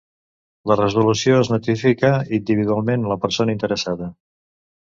La resolució es notifica individualment a la persona interessada.